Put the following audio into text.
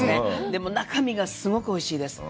でも中身がすごくおいしいです。